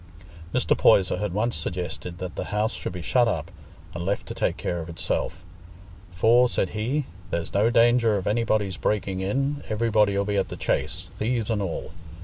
Mr. Poyser had once suggested that the house should be shut up and left to take care of itself; "for," said he, "there's no danger of anybody's breaking in—everybody'll be at the Chase, thieves an' all.